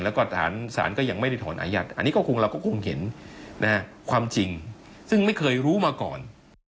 แล้วก็สารก็ยังไม่ได้ถอนอายัดอันนี้ก็คงเราก็คงเห็นความจริงซึ่งไม่เคยรู้มาก่อน